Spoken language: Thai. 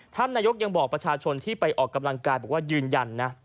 ท่านนายกยังบอกประชาชนที่ไปออกกำลังกายบอกว่ายืนยันนะ